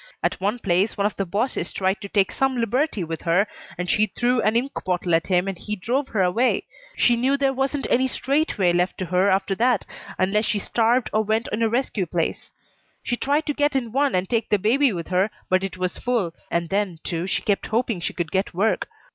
At one place one of the bosses tried to take some liberty with her and she threw an ink bottle at him and he drove her away. She knew there wasn't any straight way left to her after that unless she starved or went in a rescue place. She tried to get in one and take the baby with her, but it was full, and then, too, she kept hoping she could get work.